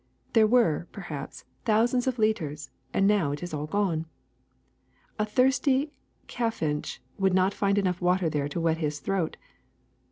There were, perhaps, thousands of liters, and now it is all gone. A thirsty chaffinch would not find enough water there to wet its throat.